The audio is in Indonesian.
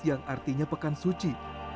yang artinya pekan suci